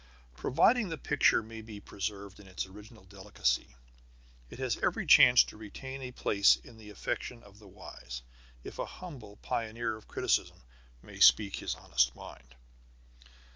Providing the picture may be preserved in its original delicacy, it has every chance to retain a place in the affections of the wise, if a humble pioneer of criticism may speak his honest mind.